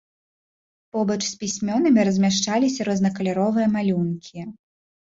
Побач з пісьмёнамі размяшчаліся рознакаляровыя малюнкі.